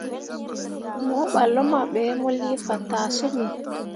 Mo ɓah luma ɓe, mu lii fataa summi.